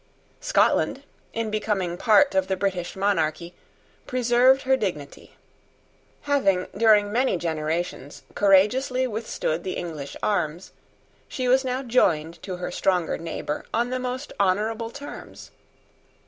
Scotland, in becoming part of the British monarchy, preserved her dignity. Having, during many generations, courageously withstood the English arms, she was now joined to her stronger neighbour on the most honourable terms.